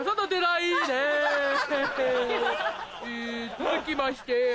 続きまして。